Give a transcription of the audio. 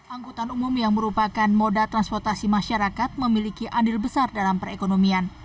angkutan umum yang merupakan moda transportasi masyarakat memiliki andil besar dalam perekonomian